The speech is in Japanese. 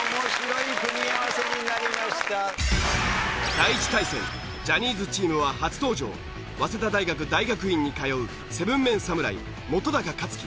第１対戦ジャニーズチームは初登場早稲田大学大学院に通う７ＭＥＮ侍本克樹。